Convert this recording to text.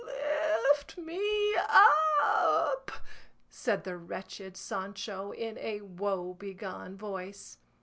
"Lift me up," said the wretched Sancho in a woebegone voice.